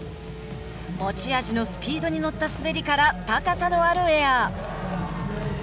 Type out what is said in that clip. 持ち味のスピードに乗った滑りから高さのあるエア。